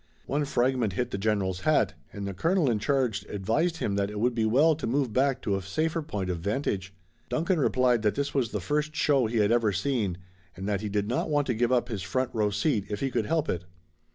One fragment hit the General's hat and the colonel in charge advised him that it would be well to move back to a safer point of vantage. Duncan replied that this was the first show he had ever seen and that he did not want to give up his front row seat if he could help it.